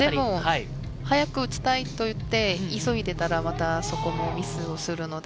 早く撃ちたいといって急いでいたら、またそこもミスをするので。